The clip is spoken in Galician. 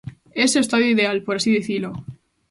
Ese é o estadio ideal, por así dicilo.